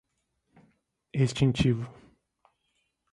extintivo